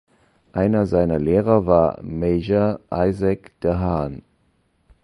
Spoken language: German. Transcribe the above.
Einer seiner Lehrer war Meijer Isaac de Haan.